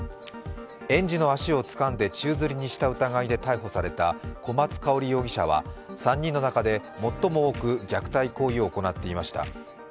園児の足をつかんで宙づりにした疑いで逮捕された小松香織容疑者は、３人の中で最も多く虐待行為を行っていました。